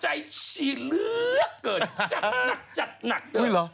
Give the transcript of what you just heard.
ใจชีเหลือเกินจัดหนักเดิน